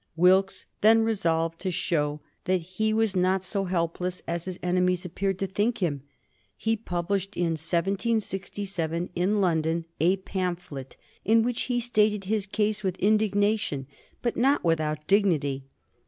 Wilkes then resolved to show that he was not so helpless as his enemies appeared to think him. He published in 1767, in London, a pamphlet, in which he stated his case with indignation, but not without dignity.